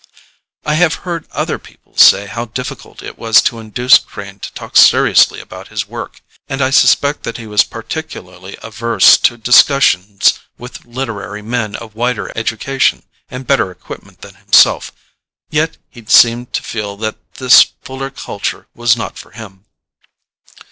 I have heard other people say how difficult it was to induce Crane to talk seriously about his work, and I suspect that he was particularly averse to discussions with literary men of wider education and better equipment than himself, yet he seemed to feel that this fuller culture was not for him.